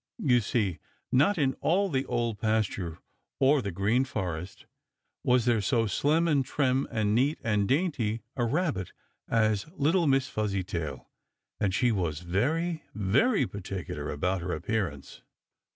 You see, not in all the Old Pasture, or the Green Forest, was there so slim and trim and neat and dainty a Rabbit as little Miss Fuzzytail, and she was very, very particular about her appearance.